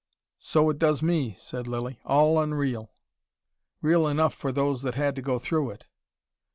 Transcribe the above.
"So it does me," said Lilly. "All unreal." "Real enough for those that had to go through it."